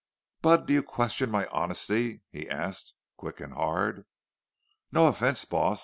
"Budd, do you question my honesty?" he asked, quick and hard. "No offense, boss.